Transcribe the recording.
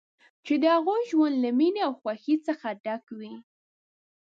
چې د هغوی ژوند له مینې او خوښۍ څخه ډک وي.